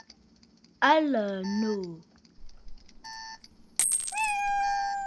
A lə̀ə̀ noò.